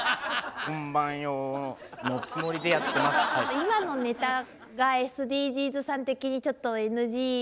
今のネタがＳＤＧｓさん的にちょっとＮＧで。